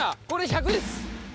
これで１００です。